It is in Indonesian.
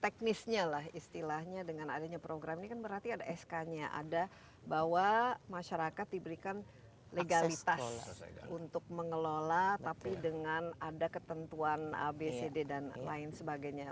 teknisnya lah istilahnya dengan adanya program ini kan berarti ada sk nya ada bahwa masyarakat diberikan legalitas untuk mengelola tapi dengan ada ketentuan abcd dan lain sebagainya